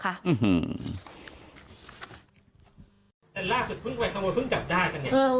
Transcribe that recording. ครับ